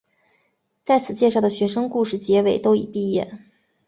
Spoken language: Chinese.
在此介绍的学生故事结尾都已毕业。